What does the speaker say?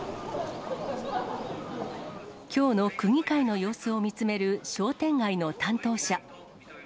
きょうの区議会の様子を見つめる商店街の担当者。